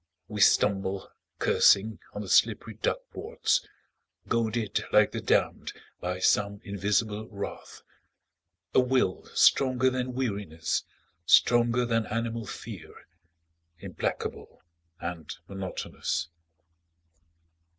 We stumble, cursing, on the slippery duck boards. Goaded like the damned by some invisible wrath, A will stronger than weariness, stronger than animal fear, Implacable and monotonous.